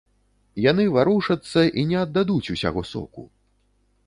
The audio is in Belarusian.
Яны варушацца і не аддадуць усяго соку.